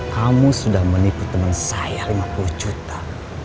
kamu sudah menipu teman saya lima puluh juta